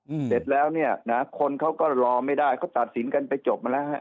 เสร็จแล้วเนี้ยนะคนเขาก็รอไม่ได้เขาตัดสินกันไปจบมาแล้วฮะ